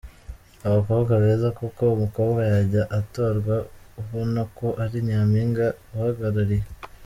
abakobwa beza koko ,umukobwa yajya atorwa ubona ko ari nyampinga uhagarariye.